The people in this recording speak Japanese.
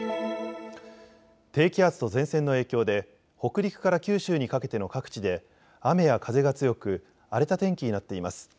低気圧と前線の影響で北陸から九州にかけての各地で雨や風が強く荒れた天気になっています。